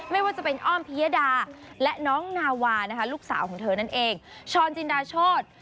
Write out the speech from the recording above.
ไม่ว่าจะเป็นอ้อมพิยดาและน้องนาวานะคะลูกสาวของเธอนั่นเองช้อนจินดาโชธ